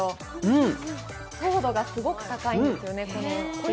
糖度がすごく高いんですよ、これ。